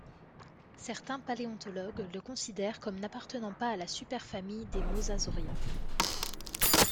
Certains paléontologues le considèrent comme n'appartenant pas à la super-famille des Mosasauria.